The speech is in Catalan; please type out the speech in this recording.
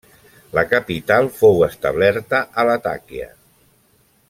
La capital fou establerta a Latakia.